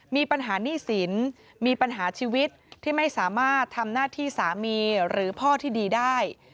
มีปัญหาหนี้สินมีปัญหาชีวิตที่ไม่สามารถทำหน้าที่สามีหรือพ่อที่ดีได้